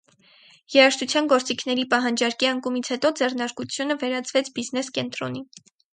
Երաժշտական գործիքների պահանջարկի անկումից հետո ձեռնարկությունը վերածվեց բիզնես կենտրոնի։